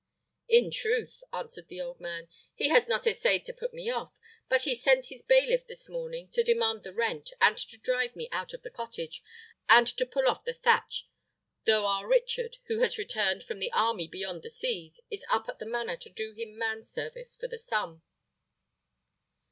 "In truth," answered the old man, "he has not essayed to put me off; but he sent his bailiff this morning to demand the rent, and to drive me out of the cottage, and to pull off the thatch, though our Richard, who has returned from the army beyond the seas, is up at the manor to do him man service for the sum."